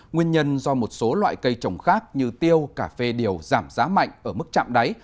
nguyên nhân do một số loại cây trồng khác như tiêu cà phê đều giảm giá mạnh ở mức chạm đáy